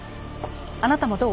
あなたもどう？